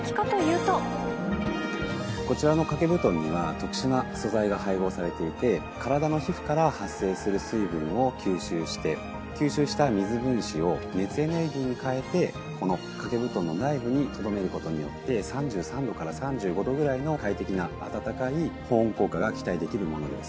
こちらの掛け布団には、特殊な素材が配合されていて、体の皮膚から発生する水分を吸収して、吸収した水分子を熱エネルギーにかえて、このかけ布団の内部にとどめることによって、３３度から３５度ぐらいの快適な温かい保温効果が期待できるものです。